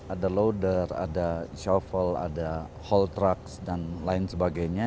ada loader ada shovel ada haul truck dan lain sebagainya